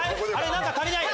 何か足りない！